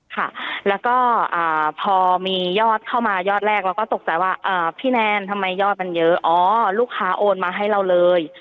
ค่ะแล้วก็พอมียอดเข้ามายอดแรกเราก็ตกใจว่าพี่แนนทำไมยอดมันเยอะอ๋อลูกค้าโอนมาให้เราเลย